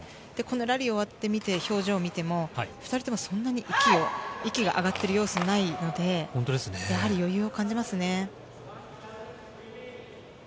ラリー終わって見て表情を見ても２人ともそんなに息が上がっている様子はないのでやはり余裕を感じますね。